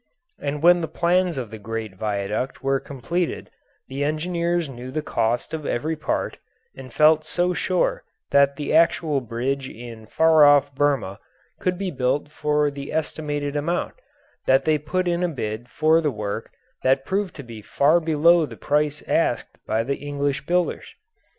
And when the plans of the great viaduct were completed the engineers knew the cost of every part, and felt so sure that the actual bridge in far off Burma could be built for the estimated amount, that they put in a bid for the work that proved to be far below the price asked by English builders.